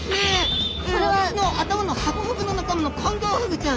私の頭のハコフグの仲間のコンゴウフグちゃん。